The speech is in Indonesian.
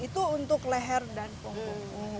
itu untuk leher dan punggung